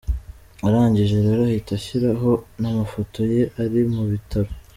Arangije rero ahita ashyiraho n’amafote ye ari mubitaro.